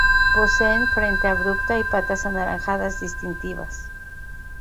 Poseen frente abrupta y patas anaranjadas distintivas.